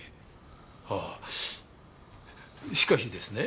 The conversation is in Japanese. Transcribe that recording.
ああしかしですね